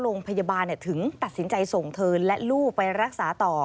โรงพยาบาลถึงตัดสินใจส่งเธอและลูกไปรักษาต่อ